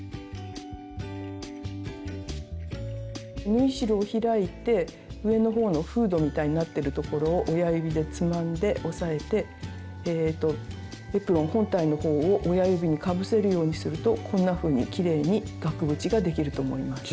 縫い代を開いて上のほうのフードみたいになってるところを親指でつまんで押さえてエプロン本体のほうを親指にかぶせるようにするとこんなふうにきれいに額縁ができると思います。